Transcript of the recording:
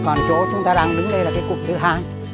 còn chỗ chúng ta đang đứng đây là cái cục thứ hai